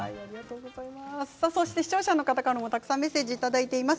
視聴者の方からもたくさんメッセージをいただいています。